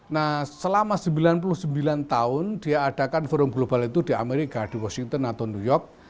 nah selama sembilan puluh sembilan tahun dia adakan forum global itu di amerika di washington atau new york